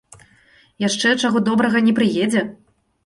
Яшчэ, чаго добрага, не прыедзе.